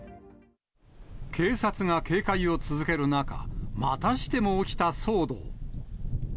警察が警戒を続ける中、またしても起きた騒動。